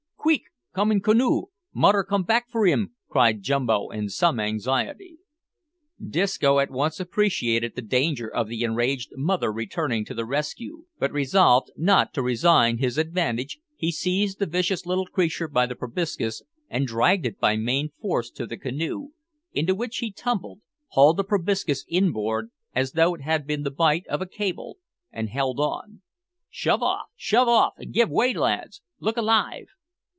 "Queek! come in canoe! Modder come back for 'im," cried Jumbo in some anxiety. Disco at once appreciated the danger of the enraged mother returning to the rescue, but, resolved not to resign his advantage, he seized the vicious little creature by the proboscis and dragged it by main force to the canoe, into which he tumbled, hauled the proboscis inboard, as though it had been the bite of a cable, and held on. "Shove off! shove off! and give way, lads! Look alive!"